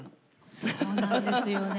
そうなんですよね。